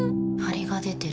ハリが出てる。